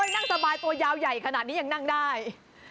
นั่งสบายตัวยาวใหญ่ขนาดนี้ยังนั่งได้